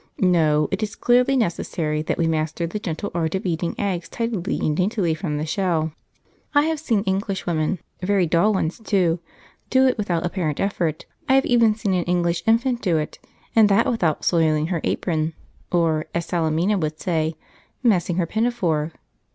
No, it is clearly necessary that we master the gentle art of eating eggs tidily and daintily from the shell. I have seen English women very dull ones, too do it without apparent effort; I have even seen an English infant do it, and that without soiling her apron, or, as Salemina would say, 'messing her pinafore.'